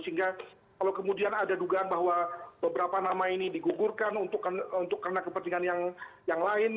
sehingga kalau kemudian ada dugaan bahwa beberapa nama ini digugurkan untuk karena kepentingan yang lain